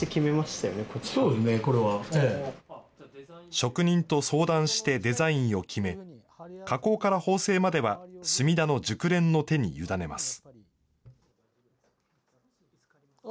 職人と相談してデザインを決め、加工から縫製までは、墨田の熟練の手に委ねます。